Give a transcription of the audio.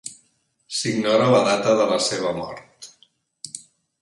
S’ignora la data de la seva mort.